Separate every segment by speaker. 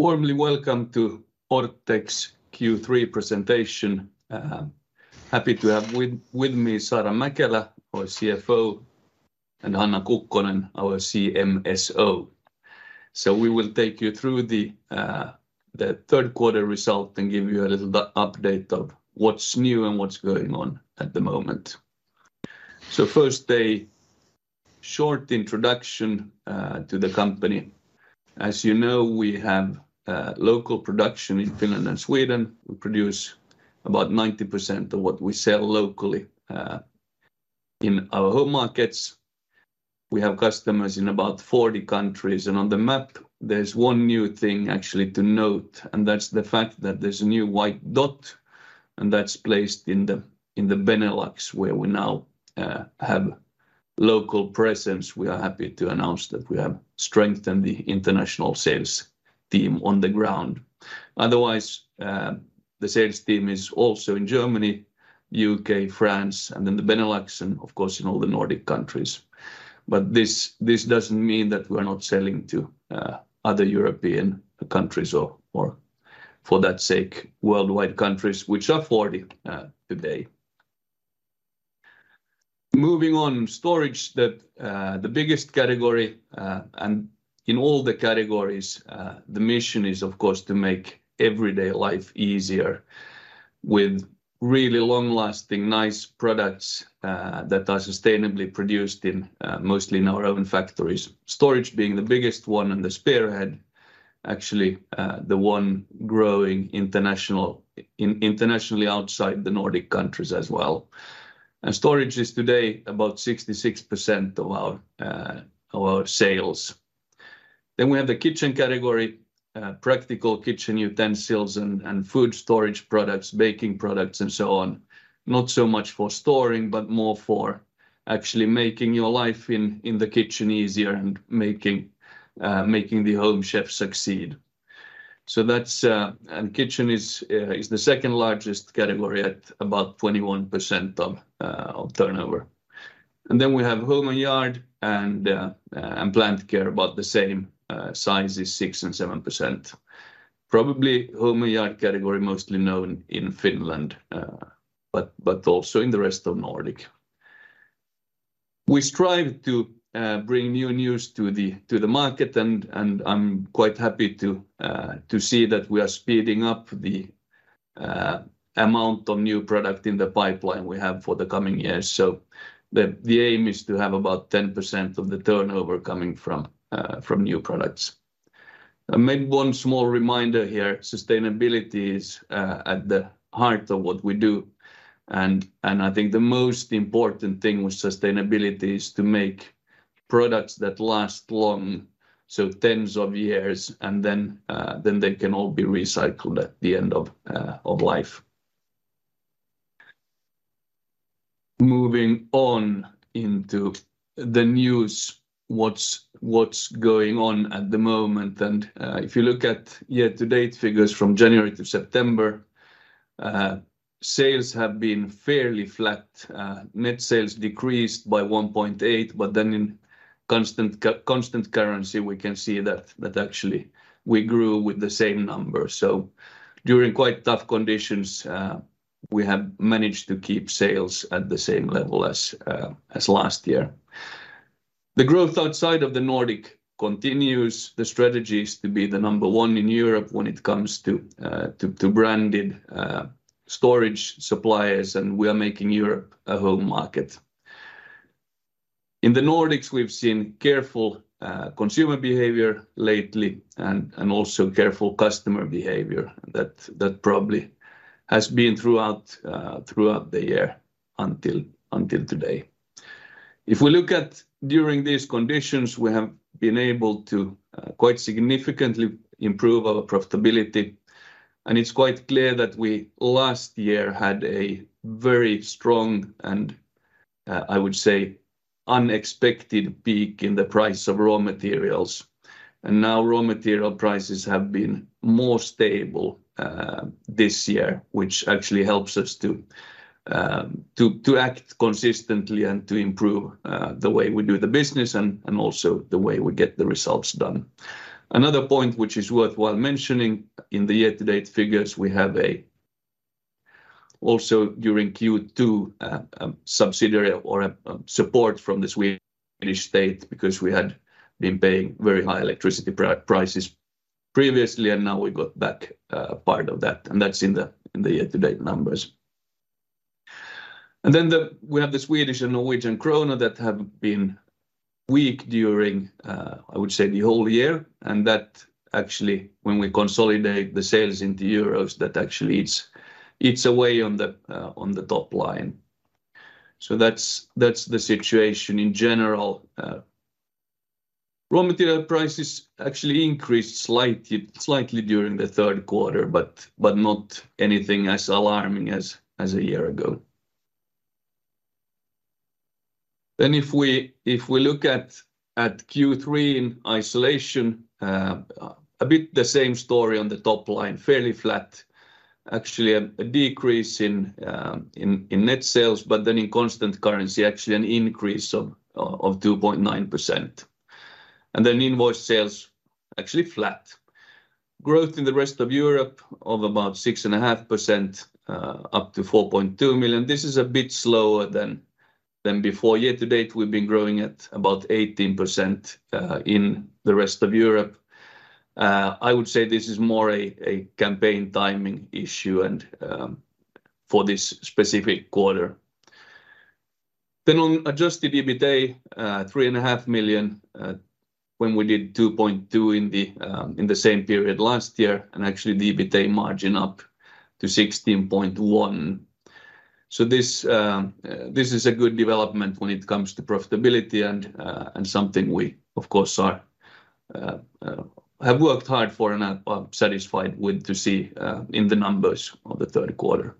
Speaker 1: Warm welcome to Orthex Q3 presentation. Happy to have with me Saara Mäkelä, our CFO, and Hanna Kukkonen, our CMSO. So we will take you through the third quarter result and give you a little update of what's new and what's going on at the moment. So first, a short introduction to the company. As you know, we have local production in Finland and Sweden. We produce about 90% of what we sell locally in our home markets. We have customers in about 40 countries, and on the map, there's one new thing actually to note, and that's the fact that there's a new white dot, and that's placed in the Benelux, where we now have local presence. We are happy to announce that we have strengthened the international sales team on the ground. Otherwise, the sales team is also in Germany, U.K., France, and then the Benelux, and of course, in all the Nordic countries. But this doesn't mean that we're not selling to other European countries or for that sake, worldwide countries, which are 40 today. Moving on, storage, the biggest category, and in all the categories, the mission is, of course, to make everyday life easier with really long-lasting, nice products that are sustainably produced in mostly in our own factories. Storage being the biggest one, and the spearhead, actually, the one growing internationally outside the Nordic countries as well. And storage is today about 66% of our sales. Then we have the kitchen category, practical kitchen utensils and food storage products, baking products, and so on. Not so much for storing, but more for actually making your life in the kitchen easier and making the home chef succeed. So that's, kitchen is the second largest category at about 21% of turnover. Then we have home and yard and plant care, about the same sizes, 6% and 7%. Probably, home and yard category mostly known in Finland, but also in the rest of Nordic. We strive to bring new news to the market, and I'm quite happy to see that we are speeding up the amount of new product in the pipeline we have for the coming years. So the aim is to have about 10% of the turnover coming from new products. Maybe one small reminder here, sustainability is at the heart of what we do, and I think the most important thing with sustainability is to make products that last long, so tens of years, and then they can all be recycled at the end of life. Moving on into the news, what's going on at the moment? If you look at year-to-date figures from January to September, sales have been fairly flat. Net sales decreased by 1.8, but then in constant currency, we can see that actually we grew with the same number. So during quite tough conditions, we have managed to keep sales at the same level as last year. The growth outside of the Nordic continues. The strategy is to be the number one in Europe when it comes to branded storage suppliers, and we are making Europe a home market. In the Nordics, we've seen careful consumer behavior lately and also careful customer behavior. That probably has been throughout the year until today. If we look at during these conditions, we have been able to quite significantly improve our profitability, and it's quite clear that we last year had a very strong and I would say unexpected peak in the price of raw materials. And now raw material prices have been more stable this year, which actually helps us to act consistently and to improve the way we do the business and also the way we get the results done. Another point which is worthwhile mentioning, in the year-to-date figures, we have also during Q2, support from the Swedish state because we had been paying very high electricity prices previously, and now we got back part of that, and that's in the year-to-date numbers. And then we have the Swedish and Norwegian krona that have been weak during, I would say, the whole year, and that actually, when we consolidate the sales into euros, that actually eats away on the top line. So that's the situation in general. Raw material prices actually increased slightly during the third quarter, but not anything as alarming as a year ago. If we look at Q3 in isolation, a bit the same story on the top line, fairly flat. Actually a decrease in net sales, but then in constant currency, actually an increase of 2.9%. And then invoice sales actually flat. Growth in the rest of Europe of about 6.5%, up to 4.2 million. This is a bit slower than before. Year to date, we've been growing at about 18% in the rest of Europe. I would say this is more a campaign timing issue, and for this specific quarter. Then on Adjusted EBITA, 3.5 million, when we did 2.2% in the same period last year, and actually the EBITA margin up to 16.1%. So this is a good development when it comes to profitability and something we, of course, have worked hard for and are satisfied with to see in the numbers of the third quarter.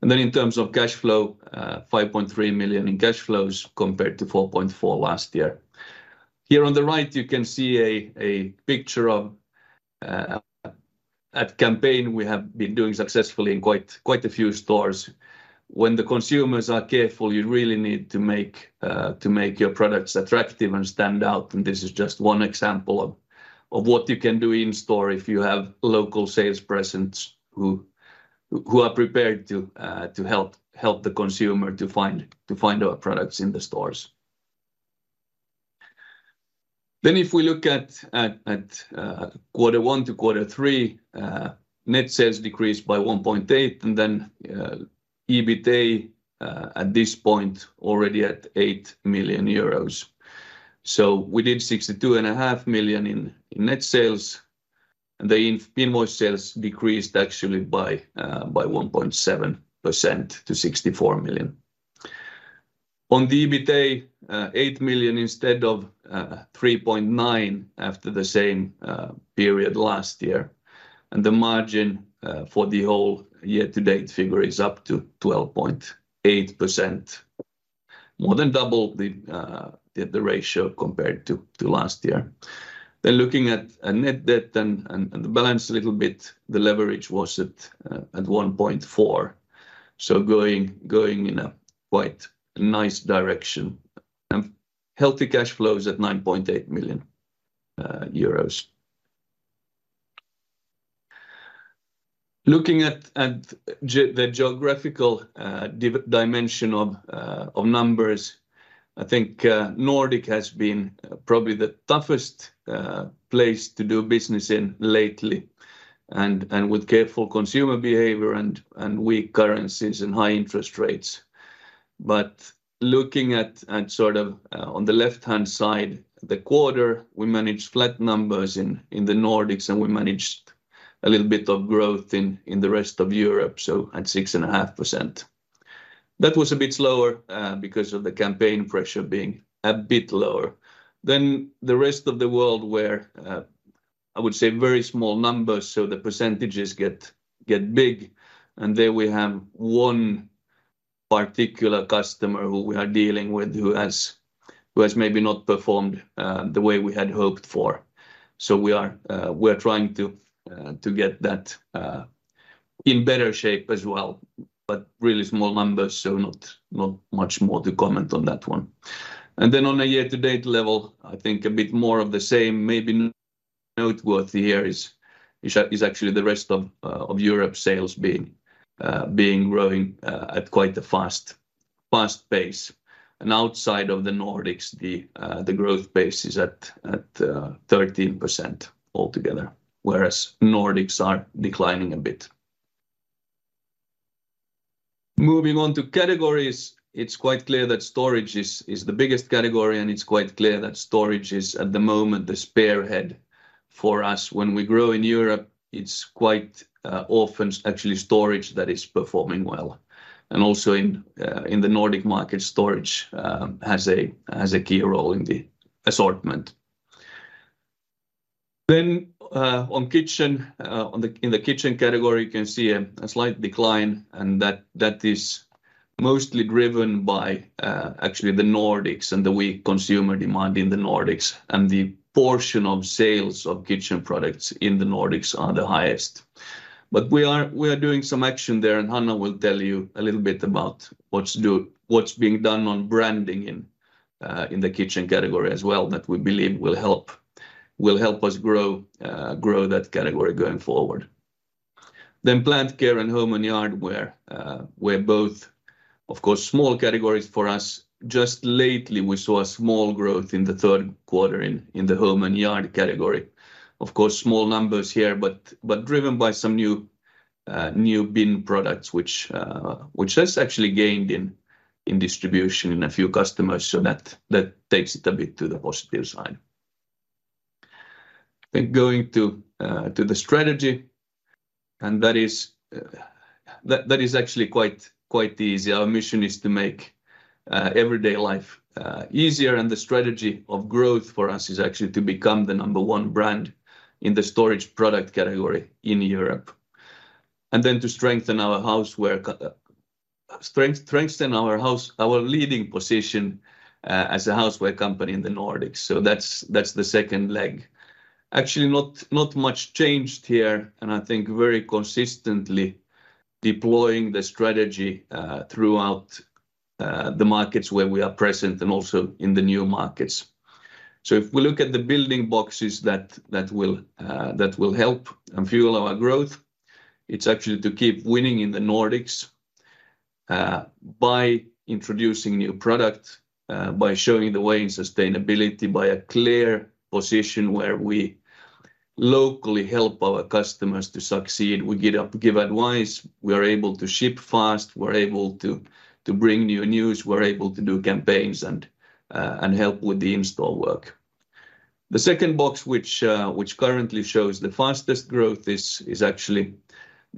Speaker 1: And then in terms of cash flow, 5.3 million in cash flows compared to 4.4 million last year. Here on the right, you can see a picture of an ad campaign we have been doing successfully in quite a few stores. When the consumers are careful, you really need to make your products attractive and stand out, and this is just one example of what you can do in store if you have local sales presence who are prepared to help the consumer to find our products in the stores. Then if we look at quarter one to quarter three, net sales decreased by 1.8%, and then EBITA at this point already at 8 million euros. So we did 62.5 million in net sales, and the invoiced sales decreased actually by 1.7% to 64 million. On the EBITA, 8 million instead of 3.9% after the same period last year. The margin for the whole year to date figure is up to 12.8%. More than double the ratio compared to last year. Then looking at net debt and the balance a little bit, the leverage was at 1.4. So going in a quite nice direction, and healthy cash flows at 9.8 million euros. Looking at the geographical dimension of numbers, I think Nordic has been probably the toughest place to do business in lately, and with careful consumer behavior and weak currencies and high interest rates. But looking at sort of on the left-hand side, the quarter, we managed flat numbers in the Nordics, and we managed a little bit of growth in the rest of Europe, so at 6.5%. That was a bit slower because of the campaign pressure being a bit lower. Then the rest of the world where I would say very small numbers, so the percentages get big, and there we have one particular customer who we are dealing with, who has maybe not performed the way we had hoped for. So we're trying to get that in better shape as well, but really small numbers, so not much more to comment on that one. Then on a year-to-date level, I think a bit more of the same. Maybe noteworthy here is actually the rest of Europe sales being growing at quite a fast pace. Outside of the Nordics, the growth pace is at 13% altogether, whereas Nordics are declining a bit. Moving on to categories, it's quite clear that storage is the biggest category, and it's quite clear that storage is, at the moment, the spearhead for us. When we grow in Europe, it's quite often actually storage that is performing well. And also in the Nordic market, storage has a key role in the assortment. Then, on kitchen, in the kitchen category, you can see a slight decline, and that is mostly driven by actually the Nordics and the weak consumer demand in the Nordics, and the portion of sales of kitchen products in the Nordics are the highest. But we are doing some action there, and Hanna will tell you a little bit about what's being done on branding in the kitchen category as well, that we believe will help us grow that category going forward. Then plant care and home and yardware, where both, of course, small categories for us. Just lately, we saw a small growth in the third quarter in the home and yard category. Of course, small numbers here, but driven by some new bin products, which has actually gained in distribution in a few customers, so that takes it a bit to the positive side. I think going to the strategy, and that is actually quite easy. Our mission is to make everyday life easier, and the strategy of growth for us is actually to become the number one brand in the storage product category in Europe. And then to strengthen our houseware category, strengthen our leading position as a houseware company in the Nordics. So that's the second leg. Actually, not much changed here, and I think very consistently deploying the strategy throughout the markets where we are present and also in the new markets. So if we look at the building boxes that will help and fuel our growth, it's actually to keep winning in the Nordics by introducing new product by showing the way in sustainability, by a clear position where we locally help our customers to succeed. We give advice, we are able to ship fast, we're able to bring new news, we're able to do campaigns and help with the in-store work. The second box, which currently shows the fastest growth, is actually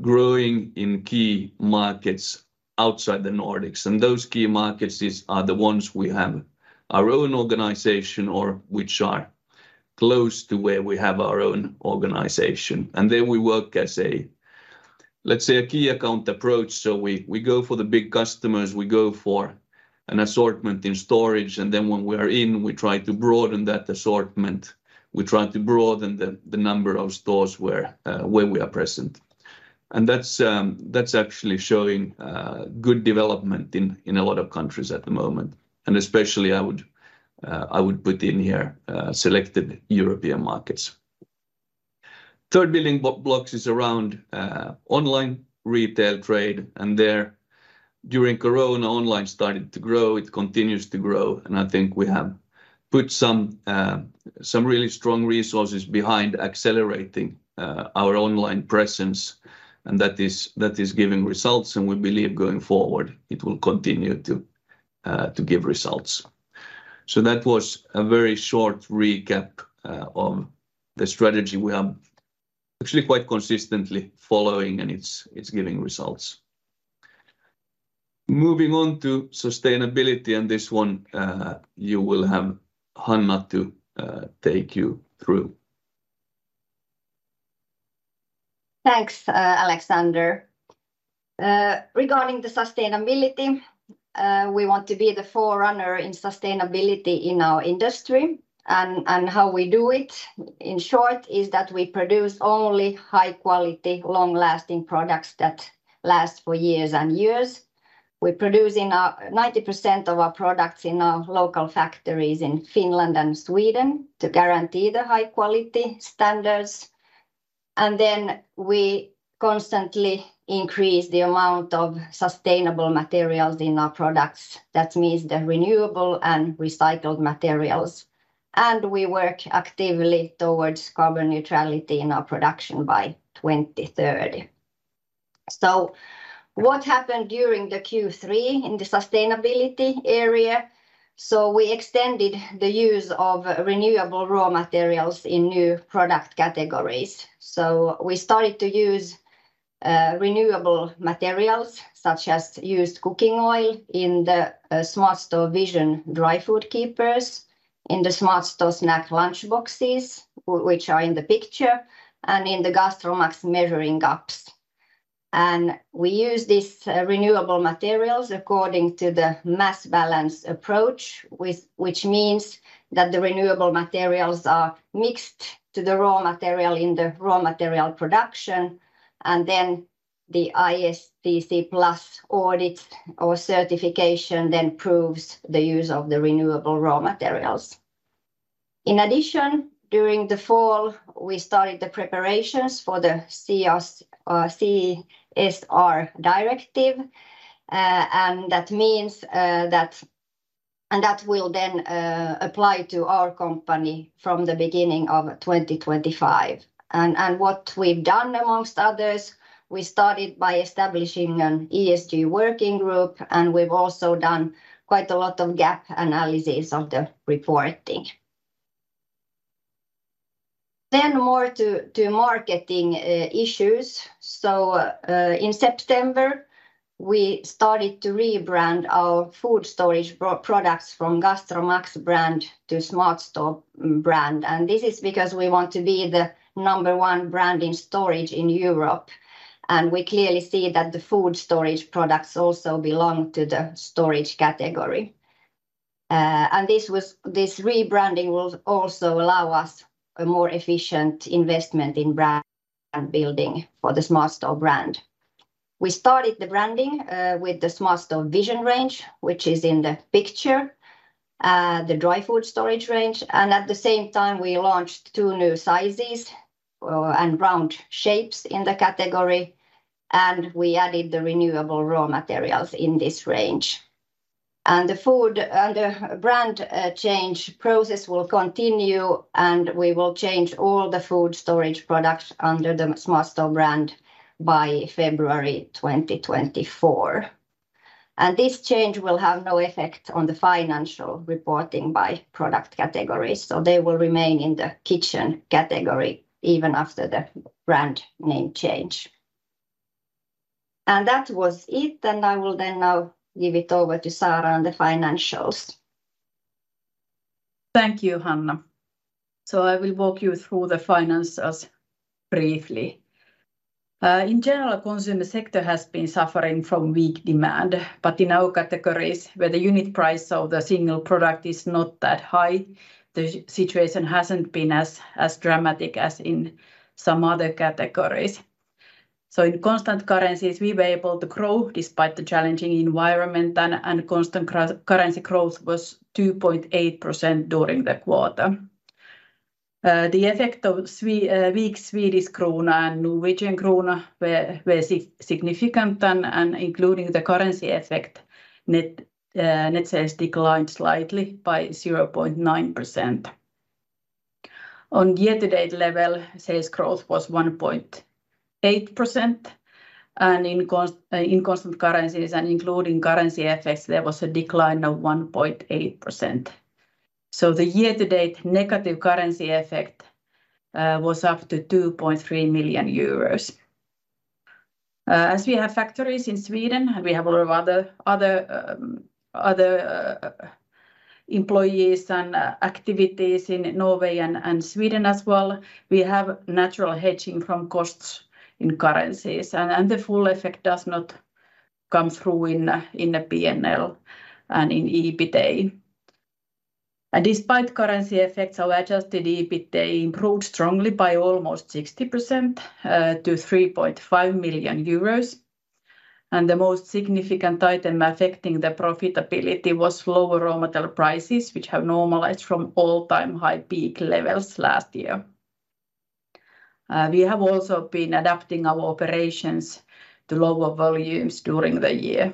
Speaker 1: growing in key markets outside the Nordics, and those key markets are the ones we have our own organization or which are close to where we have our own organization. Then we work as a, let's say, a key account approach. So we go for the big customers, we go for an assortment in storage, and then when we are in, we try to broaden that assortment. We try to broaden the number of stores where we are present. And that's actually showing good development in a lot of countries at the moment, and especially I would put in here selected European markets. Third building blocks is around online retail trade, and there, during Corona, online started to grow. It continues to grow, and I think we have put some really strong resources behind accelerating our online presence, and that is giving results, and we believe going forward, it will continue to give results. So that was a very short recap on the strategy we have actually quite consistently following, and it's giving results. Moving on to sustainability, and this one you will have Hanna to take you through.
Speaker 2: Thanks, Alexander. Regarding the sustainability, we want to be the forerunner in sustainability in our industry, and how we do it, in short, is that we produce only high quality, long-lasting products that last for years and years. We produce 90% of our products in our local factories in Finland and Sweden to guarantee the high quality standards. And then we constantly increase the amount of sustainable materials in our products. That means the renewable and recycled materials. And we work actively towards carbon neutrality in our production by 2030. So what happened during the Q3 in the sustainability area? So we extended the use of renewable raw materials in new product categories. So we started to use renewable materials, such as used cooking oil in the SmartStore Vision dry food keepers, in the SmartStore Snack lunch boxes, which are in the picture, and in the GastroMax measuring cups. And we use these renewable materials according to the mass balance approach, which means that the renewable materials are mixed to the raw material in the raw material production, and then the ISCC Plus audit or certification then proves the use of the renewable raw materials. In addition, during the fall, we started the preparations for the CSRD, CSR Directive, and that means that, and that will then apply to our company from the beginning of 2025. And what we've done, amongst others, we started by establishing an ESG working group, and we've also done quite a lot of gap analysis of the reporting. Then more to marketing issues. So in September, we started to rebrand our food storage products from GastroMax brand to SmartStore brand, and this is because we want to be the number one brand in storage in Europe, and we clearly see that the food storage products also belong to the storage category. This rebranding will also allow us a more efficient investment in brand and building for the SmartStore brand. We started the branding with the SmartStore Vision range, which is in the picture, the dry food storage range, and at the same time, we launched two new sizes and round shapes in the category, and we added the renewable raw materials in this range. And the brand change process will continue, and we will change all the food storage products under the SmartStore brand by February 2024. And this change will have no effect on the financial reporting by product categories, so they will remain in the kitchen category even after the brand name change. And that was it, and I will then now give it over to Saara and the financials.
Speaker 3: Thank you, Hanna. I will walk you through the finances briefly. In general, consumer sector has been suffering from weak demand, but in our categories, where the unit price of the single product is not that high, the situation hasn't been as dramatic as in some other categories. In constant currencies, we were able to grow despite the challenging environment, and constant currency growth was 2.8% during the quarter. The effect of weak Swedish krona and Norwegian krone were significant, and including the currency effect, net sales declined slightly by 0.9%. On year-to-date level, sales growth was 1.8%, and in constant currencies and including currency effects, there was a decline of 1.8%. The year-to-date negative currency effect was up to 2.3 million euros. As we have factories in Sweden, and we have a lot of other employees and activities in Norway and Sweden as well, we have natural hedging from costs in currencies, and the full effect does not come through in the P&L and in EBITA. Despite currency effects, our adjusted EBITA improved strongly by almost 60%, to 3.5 million euros, and the most significant item affecting the profitability was lower raw material prices, which have normalized from all-time high peak levels last year. We have also been adapting our operations to lower volumes during the year.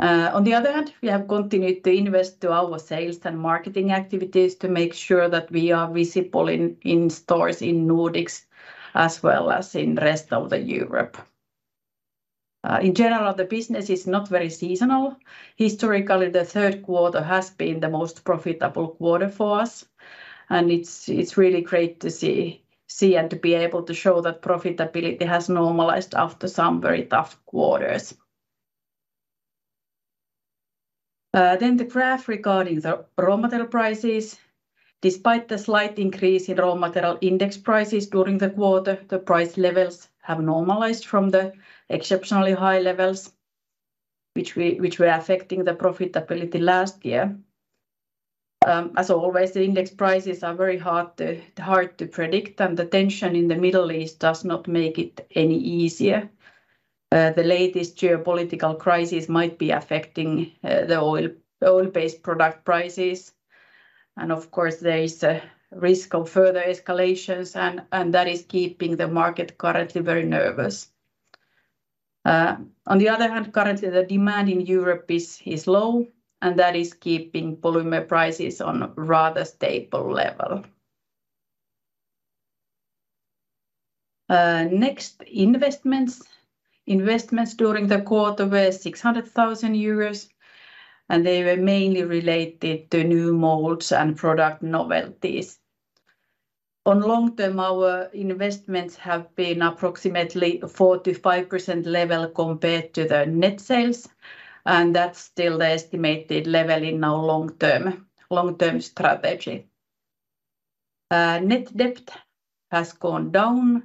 Speaker 3: On the other hand, we have continued to invest to our sales and marketing activities to make sure that we are visible in stores in Nordics, as well as in rest of the Europe. In general, the business is not very seasonal. Historically, the third quarter has been the most profitable quarter for us, and it's really great to see and to be able to show that profitability has normalized after some very tough quarters. Then the graph regarding the raw material prices. Despite the slight increase in raw material index prices during the quarter, the price levels have normalized from the exceptionally high levels which were affecting the profitability last year. As always, the index prices are very hard to predict, and the tension in the Middle East does not make it any easier. The latest geopolitical crisis might be affecting the oil-based product prices, and of course, there is a risk of further escalations, and that is keeping the market currently very nervous. On the other hand, currently the demand in Europe is low, and that is keeping polymer prices on a rather stable level. Next, investments. Investments during the quarter were 600,000 euros, and they were mainly related to new molds and product novelties. On long term, our investments have been approximately 4%-5% level compared to the net sales, and that's still the estimated level in our long-term strategy. Net debt has gone down,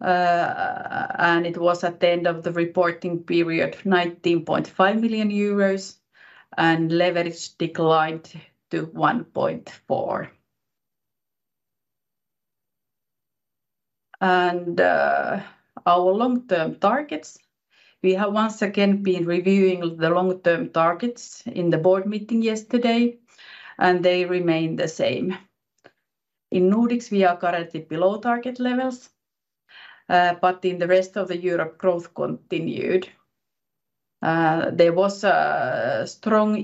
Speaker 3: and it was at the end of the reporting period, 19.5 million euros, and leverage declined to 1.4. Our long-term targets, we have once again been reviewing the long-term targets in the board meeting yesterday, and they remain the same. In Nordics, we are currently below target levels, but in the rest of Europe, growth continued. There was a strong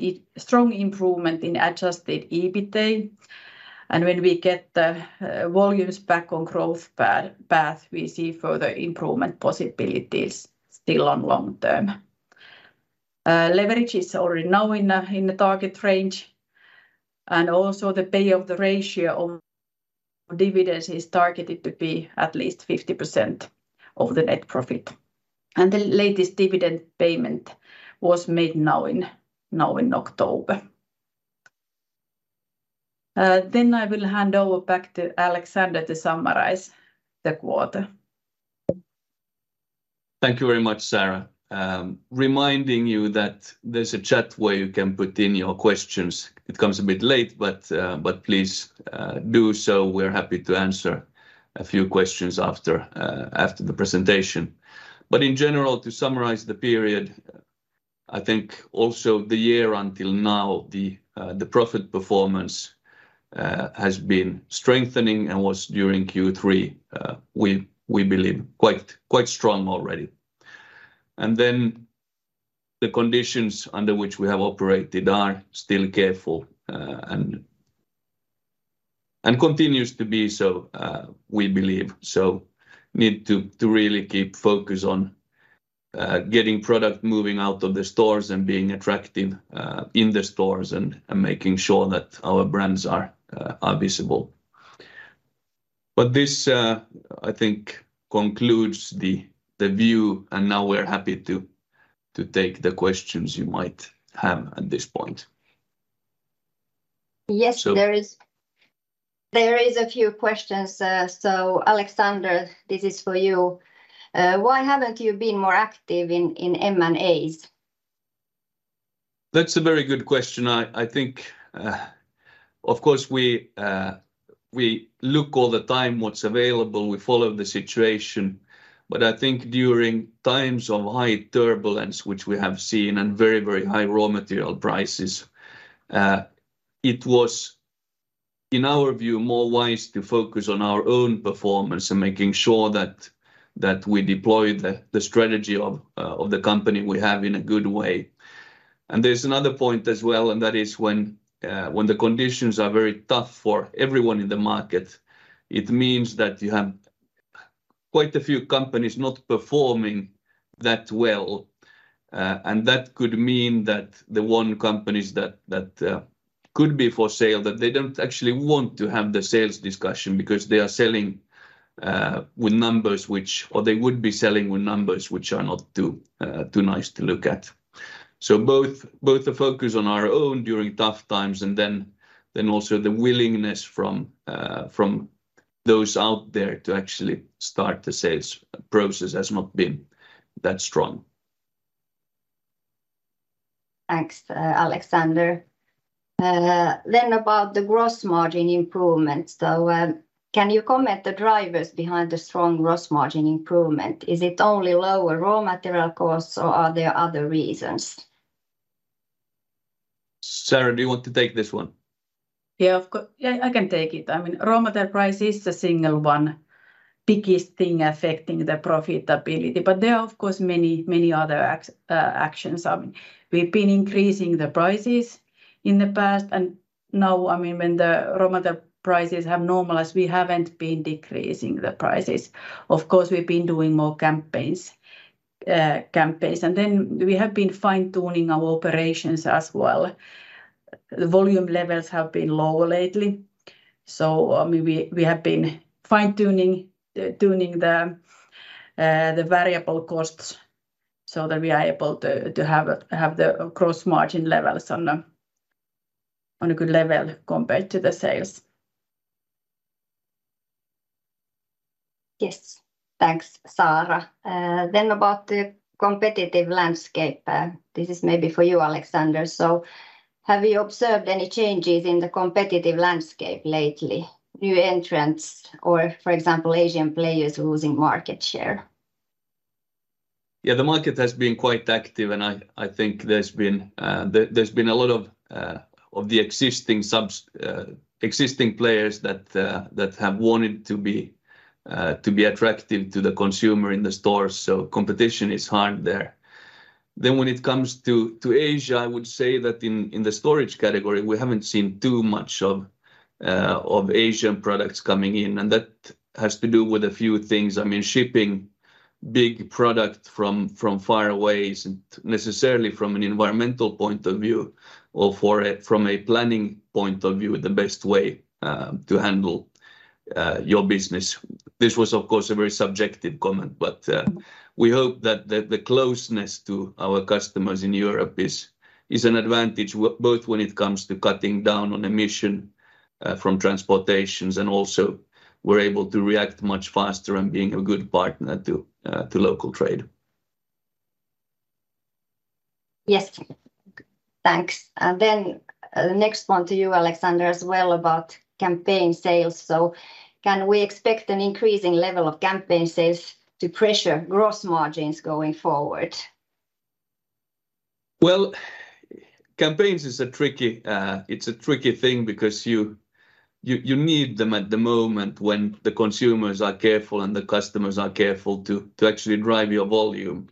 Speaker 3: improvement in adjusted EBITA, and when we get the volumes back on growth path, we see further improvement possibilities still on long term. Leverage is already now in the target range, and also the payout ratio of dividends is targeted to be at least 50% of the net profit. The latest dividend payment was made now in October. Then I will hand over back to Alexander to summarize the quarter.
Speaker 1: Thank you very much, Saara. Reminding you that there's a chat where you can put in your questions. It comes a bit late, but please do so. We're happy to answer a few questions after the presentation. But in general, to summarize the period, I think also the year until now, the profit performance has been strengthening and was during Q3, we believe quite strong already. And then the conditions under which we have operated are still careful, and continues to be so, we believe, so need to really keep focus on getting product moving out of the stores and being attractive in the stores, and making sure that our brands are visible. But this, I think, concludes the view, and now we're happy to take the questions you might have at this point.
Speaker 2: Yes, there is-
Speaker 1: So-
Speaker 2: There is a few questions. So Alexander, this is for you. Why haven't you been more active in M&As?
Speaker 1: That's a very good question. I think, of course, we look all the time what's available. We follow the situation, but I think during times of high turbulence, which we have seen, and very, very high raw material prices, it was, in our view, more wise to focus on our own performance and making sure that we deploy the strategy of the company we have in a good way. And there's another point as well, and that is when the conditions are very tough for everyone in the market, it means that you have quite a few companies not performing that well. And that could mean that the companies that could be for sale, they don't actually want to have the sales discussion because they are selling with numbers which... Or they would be selling with numbers which are not too nice to look at. So both the focus on our own during tough times, and then also the willingness from those out there to actually start the sales process has not been that strong.
Speaker 2: Thanks, Alexander. Then about the gross margin improvements, though, can you comment the drivers behind the strong gross margin improvement? Is it only lower raw material costs, or are there other reasons?
Speaker 1: Saara, do you want to take this one?
Speaker 3: Yeah, I can take it. I mean, raw material price is the single one biggest thing affecting the profitability, but there are, of course, many, many other actions. I mean, we've been increasing the prices in the past, and now, I mean, when the raw material prices have normalized, we haven't been decreasing the prices. Of course, we've been doing more campaigns, campaigns, and then we have been fine-tuning our operations as well. The volume levels have been low lately, so, I mean, we have been fine-tuning the variable costs so that we are able to have the gross margin levels on a good level compared to the sales.
Speaker 2: Yes. Thanks, Saara. Then about the competitive landscape, this is maybe for you, Alexander. So have you observed any changes in the competitive landscape lately, new entrants or, for example, Asian players losing market share?
Speaker 1: Yeah, the market has been quite active, and I think there's been a lot of the existing players that have wanted to be attractive to the consumer in the stores, so competition is hard there. Then when it comes to Asia, I would say that in the storage category, we haven't seen too much of Asian products coming in, and that has to do with a few things. I mean, shipping big product from far away isn't necessarily from an environmental point of view or from a planning point of view the best way to handle your business. This was, of course, a very subjective comment, but we hope that the closeness to our customers in Europe is an advantage both when it comes to cutting down on emission from transportations, and also we're able to react much faster and being a good partner to local trade.
Speaker 2: Yes. Thanks. And then, next one to you, Alexander, as well, about campaign sales. So can we expect an increasing level of campaign sales to pressure gross margins going forward?
Speaker 1: Well, campaigns is a tricky, it's a tricky thing because you need them at the moment when the consumers are careful and the customers are careful to actually drive your volume.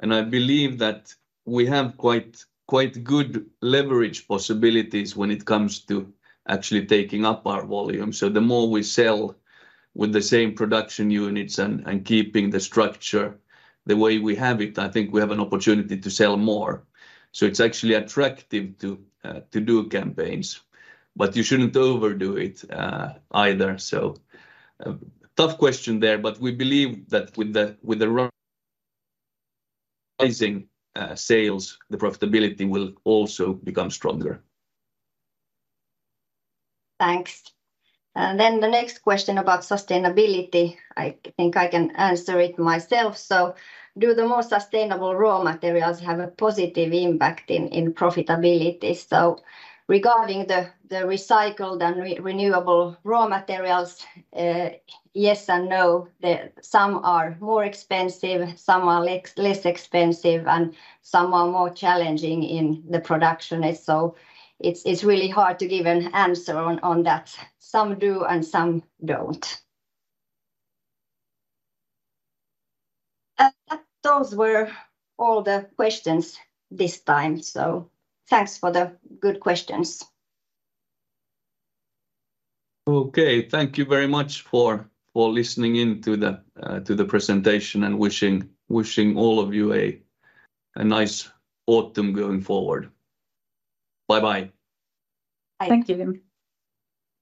Speaker 1: And I believe that we have quite, quite good leverage possibilities when it comes to actually taking up our volume. So the more we sell with the same production units and keeping the structure the way we have it, I think we have an opportunity to sell more. So it's actually attractive to do campaigns, but you shouldn't overdo it either. So, tough question there, but we believe that with the rising sales, the profitability will also become stronger.
Speaker 2: Thanks. And then the next question about sustainability, I think I can answer it myself. So do the more sustainable raw materials have a positive impact in profitability? So regarding the recycled and renewable raw materials, yes and no. Some are more expensive, some are less expensive, and some are more challenging in the production. So it's really hard to give an answer on that. Some do and some don't. Those were all the questions this time, so thanks for the good questions.
Speaker 1: Okay. Thank you very much for listening in to the presentation, and wishing all of you a nice autumn going forward. Bye-bye.
Speaker 2: Bye.
Speaker 3: Thank you, Jimmy.